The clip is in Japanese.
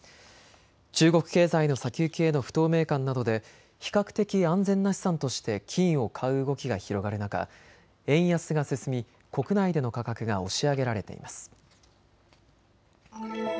中国経済の先行きへの不透明感などで比較的安全な資産として金を買う動きが広がる中、円安が進み、国内での価格が押し上げられています。